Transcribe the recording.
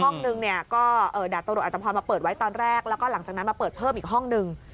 นึงเนี่ยก็ดาบตำรวจอัตภพรมาเปิดไว้ตอนแรกแล้วก็หลังจากนั้นมาเปิดเพิ่มอีกห้องหนึ่ง